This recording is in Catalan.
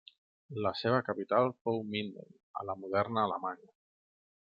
La seva capital fou Minden a la moderna Alemanya.